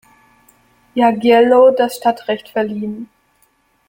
Jagiełło das Stadtrecht verliehen.